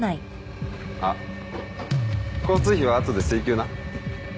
あっ交通費は後で請求な。